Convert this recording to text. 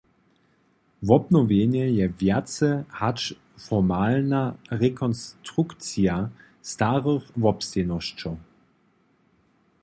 Wobnowjenje je wjace hač formalna rekonstrukcija starych wobstejnosćow.